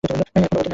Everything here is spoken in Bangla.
এক পুণ্যবতী নারী।